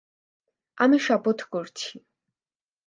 আমি শপথ করছি।